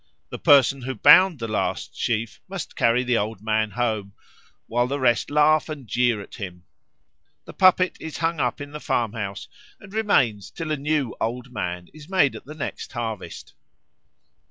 The person who bound the last sheaf must carry the Old Man home, while the rest laugh and jeer at him. The puppet is hung up in the farmhouse and remains till a new Old Man is made at the next harvest.